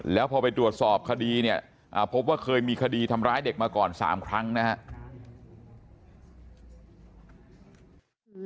แล้วพอไปตรวจสอบคดีเนี่ยพบว่าเคยมีคดีทำร้ายเด็กมาก่อน๓ครั้งนะครับ